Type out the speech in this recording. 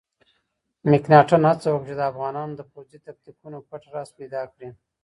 مکناتن هڅه وکړه چې د افغانانو د پوځي تاکتیکونو پټ راز پیدا کړي.